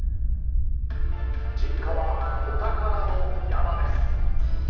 実家はお宝の山です。